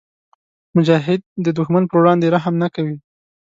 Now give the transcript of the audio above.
مجاهد د دښمن پر وړاندې رحم نه کوي.